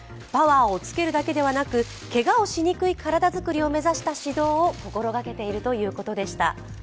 パワーをつけるだけではなく、けがをしにくい体作りを目指した指導を心掛けているということでした。